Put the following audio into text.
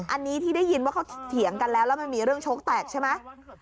อันนี้ที่ได้ยินว่าเขาเถียงกันแล้วแล้วมันมีเรื่องโชคแตกใช่ไหม